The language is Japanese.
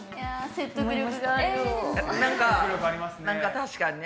確かにね。